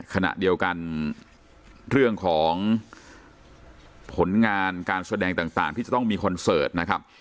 ขณะเดียวกันเรื่องของผลงานการแสดงต่างที่จะต้องมีคอนเสิร์ตนะครับ